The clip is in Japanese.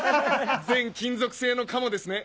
全金属製のカモですね。